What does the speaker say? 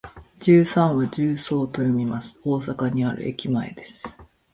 十三は「じゅうそう」と読みます。大阪にある駅前です。